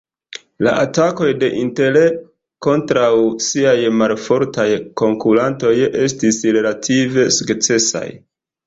La atakoj de Intel kontraŭ siaj malfortaj konkurantoj estis relative sukcesaj.